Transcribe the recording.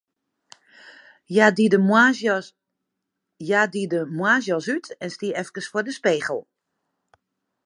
Hja die de moarnsjas út en stie efkes foar de spegel.